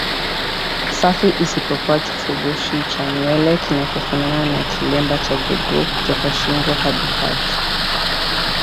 safi isipokuwa kifurushi cha nywele kinachofanana na kilemba cha jogoo kutoka shingo hadi paji